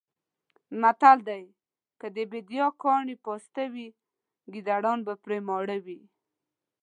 متل دی: که د بېدیا کاڼي پاسته وی ګېدړان به پرې ماړه وی.